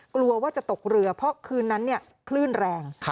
กลัวว่าจะตกเรือเพราะคืนนั้นคลื่นแรง